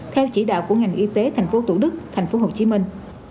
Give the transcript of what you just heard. theo chỉ đạo của ngành y tế thành phố tủ đức thành phố hồ chí minh